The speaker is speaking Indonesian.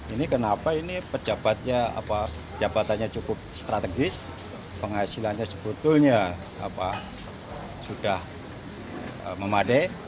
ini kenapa ini pejabatnya cukup strategis penghasilannya sebetulnya sudah memadai